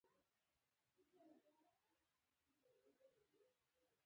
بادرنګ یو طبعي یخونکی دی.